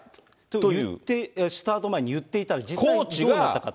と言って、スタート前に言っていたら、実際にどうなったかと。